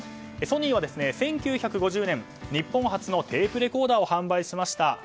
ソニーは１９５０年日本初のテープレコーダーを販売しました。